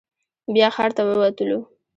بیا ښار ته ووتلو.